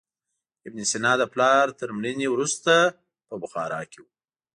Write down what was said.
ابن سینا د پلار تر مړینې وروسته په بخارا کې و.